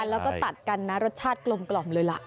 แล้วก็ตัดกันนะรสชาติกลมเลยล่ะ